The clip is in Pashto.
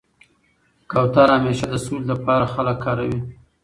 کوتره همېشه د سولي له پاره خلک کاروي.